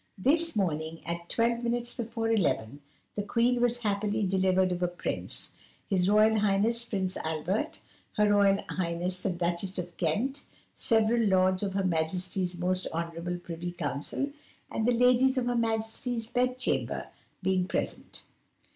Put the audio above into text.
"This morning, at twelve minutes before eleven, the Queen was happily delivered of a Prince, his Royal Highness Prince Albert, her Royal Highness the Duchess of Kent, several Lords of Her Majesty's Most Honourable Privy Council, and the Ladies of Her Majesty's Bed chamber, being present.